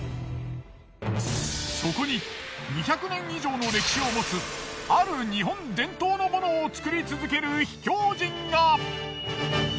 そこに２００年以上の歴史を持つある日本伝統の物を作り続ける秘境人が。